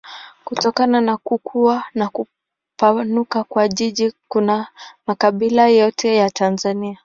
Kutokana na kukua na kupanuka kwa jiji kuna makabila yote ya Tanzania.